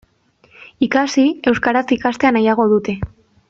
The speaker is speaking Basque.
Ikasi, euskaraz ikastea nahiago dute.